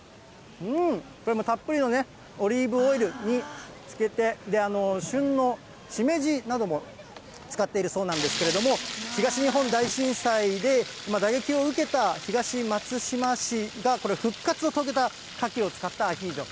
これもたっぷりのオリーブオイルにつけて、旬のしめじなども使っているそうなんですけれども、東日本大震災で打撃を受けた東松島市がこれ、復活を遂げたカキを使ったアヒージョ。